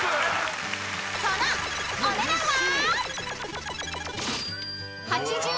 ［そのお値段は？］